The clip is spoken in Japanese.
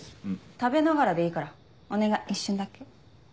食べながらでいいからお願い一瞬だけ。